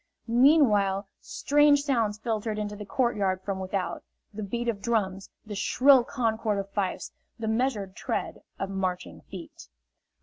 Meanwhile strange sounds filtered into the courtyard from without the beat of drums, the shrill concord of fifes, the measured tread of marching feet.